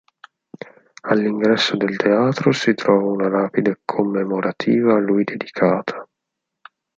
All'ingresso del teatro si trova una lapide commemorativa a lui dedicata.